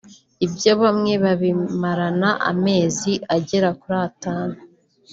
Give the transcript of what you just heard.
ibyo bamwe babimarana amezi agera kuri atanu